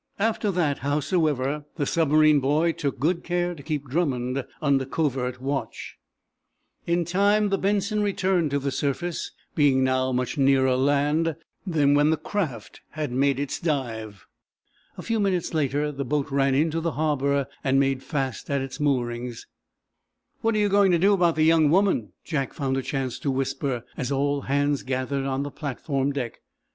After that, howsoever, the submarine boy took good care to keep Drummond under covert watch. In time the "Benson" returned to the surface, being now much nearer land then when the aft had made its dive. A few minutes later the boat ran into the harbor and made fast at its moorings. "What are you going to do about the young woman?" Jack found a chance to whisper, as all hands gathered on the platform deck.